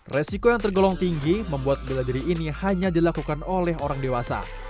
resiko yang tergolong tinggi membuat bela diri ini hanya dilakukan oleh orang dewasa